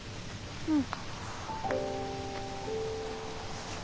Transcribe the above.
うん。